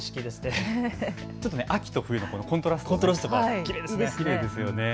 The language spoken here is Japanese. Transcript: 秋と冬のコントラスト、きれいですよね。